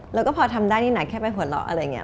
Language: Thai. แล้วก็พอทำได้นี่หนักแค่ไปหัวเราะอะไรอย่างนี้